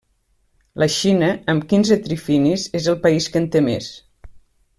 La Xina, amb quinze trifinis és el país que en té més.